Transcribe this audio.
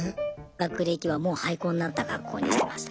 学歴はもう廃校になった学校にしてました。